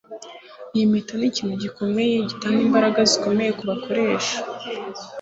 Iyi mpeta nikintu cyubumaji gitanga imbaraga zikomeye kubakoresha